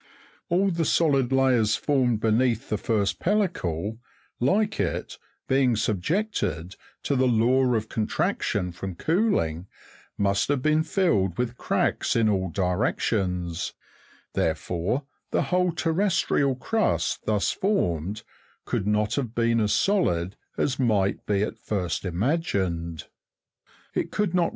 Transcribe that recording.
All the solid layers formed beneath the first pellicle, like it, being sub jetted to the law" of contraction from cooling, must have been filled with cracks in all directions ; therefore the whole terrestrial crust, thus formed, could not have been as solid as might be at first imagined : it could not WARM SPRINGS.